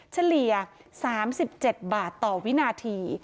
เฉลี่ย๓๗บาทต่อวินาที